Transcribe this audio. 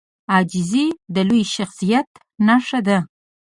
عاجزي د لوی شخصیت نښه ده.